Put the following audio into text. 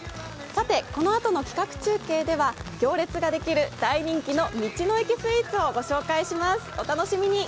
さてこのあとの企画中継では行列ができる大人気の道の駅スイーツをご紹介します、お楽しみに。